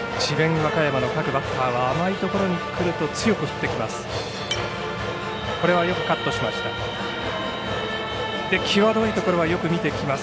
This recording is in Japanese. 和歌山の各バッターは甘いところにくると強く振ってきます。